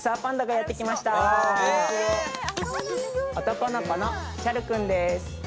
男の子のチャルくんです